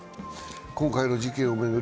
今回の事件を巡り